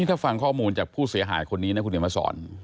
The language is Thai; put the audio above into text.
ถ้าฟังข้อมูลจากผู้เสียหายคนนี้นะคุณเดี๋ยวมาสอน